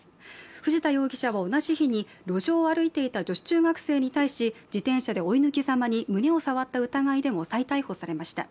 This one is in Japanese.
藤田容疑者は同じ日に路上を歩いていた女子中学生に対し自転車で追い抜きざまに胸を触った疑いでも再逮捕されました。